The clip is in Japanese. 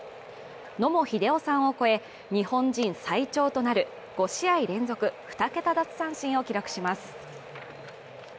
野茂英雄さんを超え、日本人最長となる５試合連続２桁奪三振を記録します。